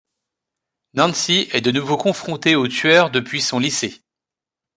Nancy est de nouveau confrontée au tueur depuis son lycée.